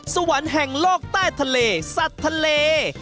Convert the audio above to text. สวรรค์แห่งโลกใต้ทะเลสัตว์ทะเล